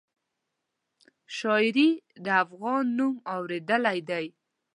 شاعري د افغان نوم اورېدلی دی.